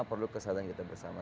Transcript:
perlu kesadaran kita bersama